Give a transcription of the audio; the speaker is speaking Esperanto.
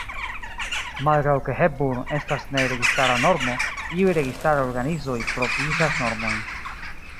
Malgraŭ ke Hepburn estas ne registara normo, iuj registaraj organizoj provizas normojn.